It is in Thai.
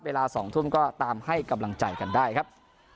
เวลา๒ทุ่มก็ตามให้กำลังใจกันได้ครับ